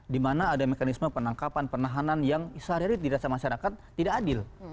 di mana ada mekanisme penangkapan penahanan yang sehari hari dirasa masyarakat tidak adil